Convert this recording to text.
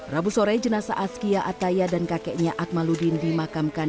rabu sore jenasa atskia ataya dan kakeknya akmaludin dimakamkan